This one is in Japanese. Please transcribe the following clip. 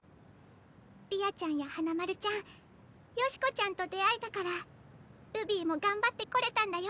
理亞ちゃんや花丸ちゃん善子ちゃんと出会えたからルビィも頑張ってこれたんだよ。